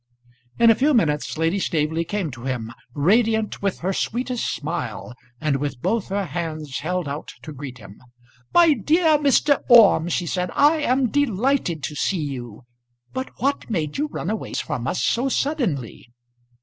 In a few minutes Lady Staveley came to him, radiant with her sweetest smile, and with both her hands held out to greet him. "My dear Mr. Orme," she said, "I am delighted to see you; but what made you run away from us so suddenly?"